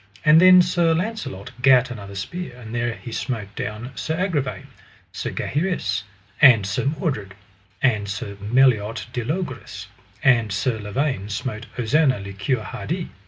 And then Sir Launcelot gat another spear, and there he smote down Sir Agravaine, Sir Gaheris, and Sir Mordred, and Sir Meliot de Logris; and Sir Lavaine smote Ozanna le Cure Hardy.